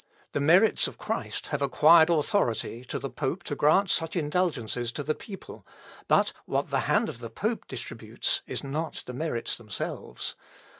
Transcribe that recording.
The merits of Christ have acquired authority to the pope to grant such indulgences to the people, but what the hand of the pope distributes is not the merits themselves.